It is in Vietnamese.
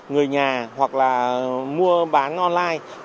người nhà hoặc là mua bán online